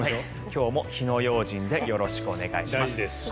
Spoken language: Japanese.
今日も火の用心でよろしくお願いします。